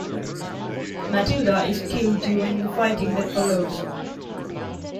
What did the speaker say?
Mattilda is killed during the fighting that follows.